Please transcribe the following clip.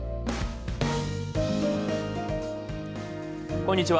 こんにちは。